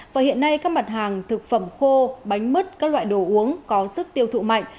và hiện nay các mặt hàng thực phẩm khô bánh mứt các loại đồ uống có sức tiêu thụ mạnh